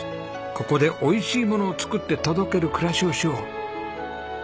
「ここでおいしいものを作って届ける暮らしをしよう」。